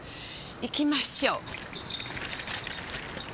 行きましょう。